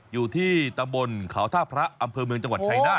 อยู่ที่ตำบลเขาท่าพระอำเภอเมืองจังหวัดชัยนาธ